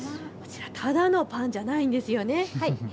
こちらただのパンじゃないんですよね。